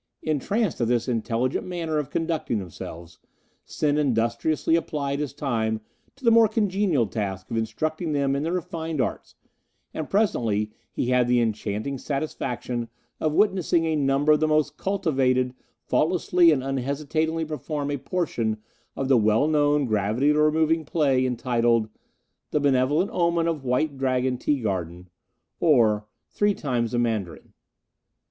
Entranced at this intelligent manner of conducting themselves, Sen industriously applied his time to the more congenial task of instructing them in the refined arts, and presently he had the enchanting satisfaction of witnessing a number of the most cultivated faultlessly and unhesitatingly perform a portion of the well known gravity removing play entitled "The Benevolent Omen of White Dragon Tea Garden; or, Three Times a Mandarin."